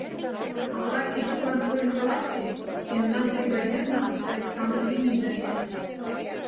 А врач ӱдырлан пурен каласе: мемнан бригадирна, Александр Демидович...